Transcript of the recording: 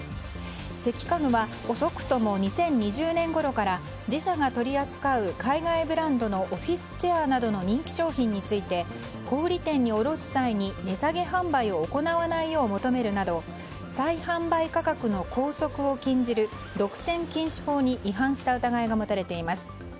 関家具は遅くとも２０２０年ごろから自社が取り扱う海外ブランドのオフィスチェアなどの人気商品について小売店に卸す際に値下げ販売を行わないよう求めるなど再販売価格の拘束を禁じる独占禁止法に違反した疑いが持たれています。